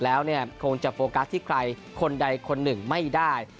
แล้วเนี่ยคงจะโฟกัสที่ใครคนใดคนหนึ่งไม่ได้